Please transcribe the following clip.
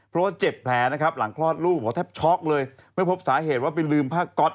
เพราะว่าเจ็บแผลนะครับหลังคลอดลูกบอกแทบช็อกเลยไม่พบสาเหตุว่าไปลืมผ้าก๊อต